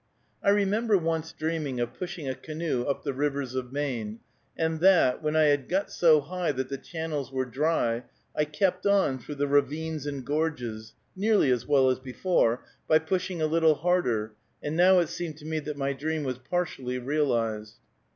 I remember once dreaming of pushing a canoe up the rivers of Maine, and that, when I had got so high that the channels were dry, I kept on through the ravines and gorges, nearly as well as before, by pushing a little harder, and now it seemed to me that my dream was partially realized.